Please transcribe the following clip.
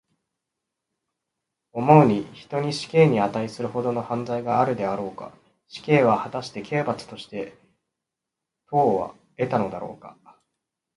思うに、人に死刑にあたいするほどの犯罪があるであろうか。死刑は、はたして刑罰として当をえたものであろうか。